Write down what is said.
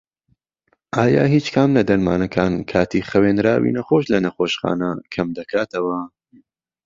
ئایا هیچ کام لە دەرمانەکان کاتی خەوێنراوی نەخۆش لە نەخۆشخانە کەمدەکاتەوە؟